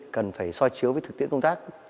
cần phải soi chiếu với thực tiễn công tác